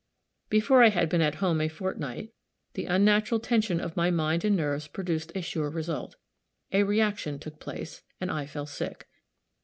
Before I had been at home a fortnight, the unnatural tension of my mind and nerves produced a sure result a reäction took place, and I fell sick.